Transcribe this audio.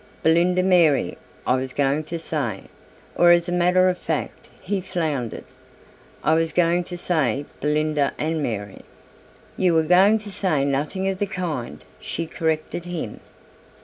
"Belinda Mary, I was going to say, or as a matter of fact," he floundered, "I was going to say Belinda and Mary." "You were going to say nothing of the kind," she corrected him.